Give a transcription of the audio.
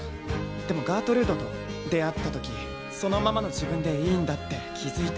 でもガートルードと出会った時そのままの自分でいいんだって気付いた。